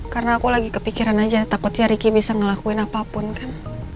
karena aku lagi kepikiran aja takutnya riki bisa ngelakuin apapun kan